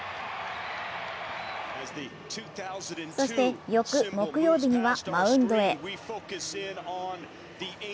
そして、翌木曜日にはマウンドへ。